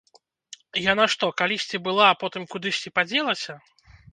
Яна што, калісьці была, а потым кудысьці падзелася?